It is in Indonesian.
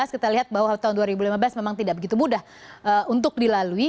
kita lihat bahwa tahun dua ribu lima belas memang tidak begitu mudah untuk dilalui